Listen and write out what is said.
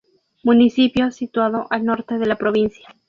Municipio situando al norte de la provincia.